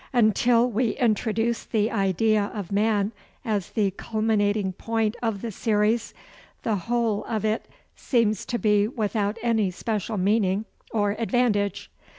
Until we introduce the idea of man as the culminating point of the series, the whole of it seems to be without any special meaning or advantage.